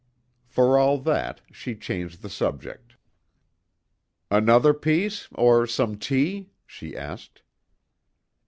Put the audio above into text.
For all that, she changed the subject. "Another piece, or some tea?" she asked.